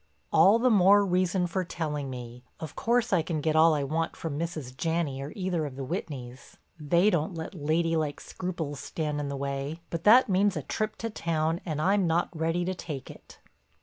"All the more reason for telling me. Of course I can get all I want from Mrs. Janney or either of the Whitneys; they don't let ladylike scruples stand in the way. But that means a trip to town and I'm not ready to take it."